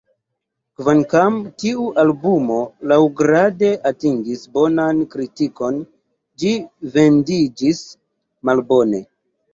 Kvankam tiu albumo laŭgrade atingis bonan kritikon, ĝi vendiĝis malbone.